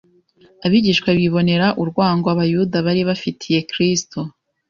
Abigishwa bibonera urwango abayuda bari bafitiye Kristo,